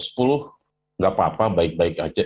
tidak apa apa baik baik aja